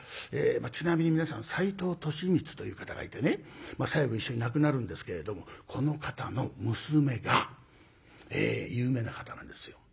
ちなみに皆さん斎藤利三という方がいてね最後一緒に亡くなるんですけれどもこの方の娘が有名な方なんですよ。